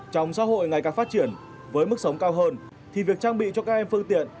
trong xã hội ngày càng phát triển với mức sống cao hơn